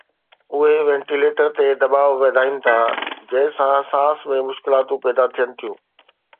اهي وينٽيليٽر تي دٻاءُ وڌائين ٿا جنهن سان سانس ۾ مشڪلاتون پيدا ٿين ٿيون